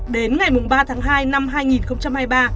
đến ngày ba tháng hai năm hai nghìn hai mươi ba